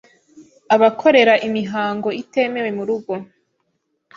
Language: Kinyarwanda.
abakorera imihango itemewe mu rugo